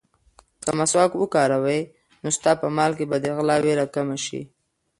که مسواک وکاروې، نو ستا په مال کې به د غلا وېره کمه شي.